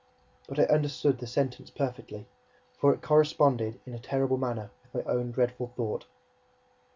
But I understood the sentence perfectly, for it corresponded in a terrible manner with my own dreadful thought.